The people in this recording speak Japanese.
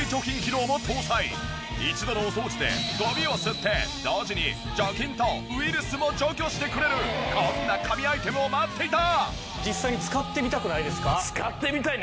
一度のお掃除でゴミを吸って同時に除菌とウイルスも除去してくれるこんな神アイテムを待っていた！